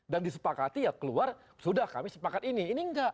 dan disepakati ya keluar sudah kami sepakat ini ini enggak